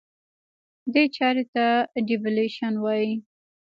دې چارې ته Devaluation وایي.